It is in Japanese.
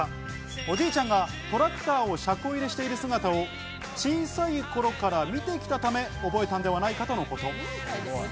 おじいちゃんがトラクターを車庫入れしている姿を小さい頃から見てきたため、覚えたんではないかとのこと。